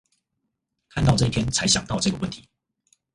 看到這篇才想到這個問題